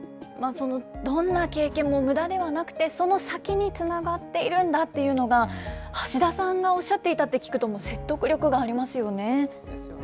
どんな経験もむだではなくて、その先につながっているんだっていうのが、橋田さんがおっしゃっていたって聞くと、説得力がありそうですよね。